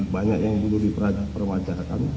banyak yang perlu diperwajarkan